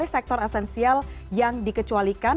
sektor esensial yang dikecualikan